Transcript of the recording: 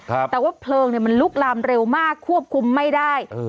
แต่ว่าเพลิงเนี้ยมันลุกลามเร็วมากควบคุมไม่ได้เออ